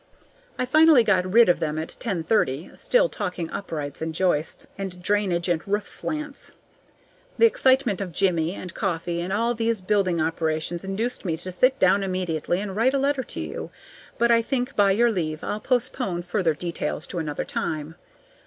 I finally got rid of them at ten thirty, still talking uprights and joists and drainage and roof slants. The excitement of Jimmie and coffee and all these building operations induced me to sit down immediately and write a letter to you; but I think, by your leave, I'll postpone further details to another time.